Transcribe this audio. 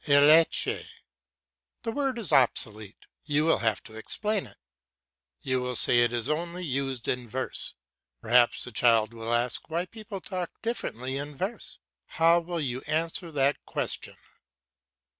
"Alleche." The word is obsolete; you will have to explain it. You will say it is only used in verse. Perhaps the child will ask why people talk differently in verse. How will you answer that question?